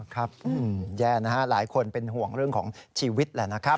ครับแย่นะฮะหลายคนเป็นห่วงเรื่องของชีวิตแหละนะครับ